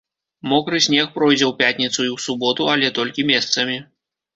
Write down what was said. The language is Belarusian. Мокры снег пройдзе ў пятніцу і ў суботу, але толькі месцамі.